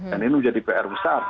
dan ini menjadi pr besar